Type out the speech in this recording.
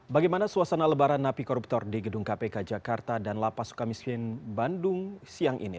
bagaimana suasana lebaran napi koruptor di gedung kpk jakarta dan lapas suka miskin bandung siang ini